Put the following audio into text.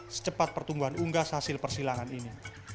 secepat pertumbuhan unggas hasil persilangan ini